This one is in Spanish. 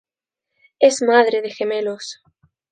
Es madre de gemelos.